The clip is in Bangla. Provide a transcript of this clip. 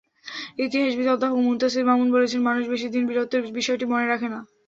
ইতিহাসবিদ অধ্যাপক মুনতাসীর মামুন বলেছেন, মানুষ বেশি দিন বীরত্বের বিষয়টি মনে রাখে না।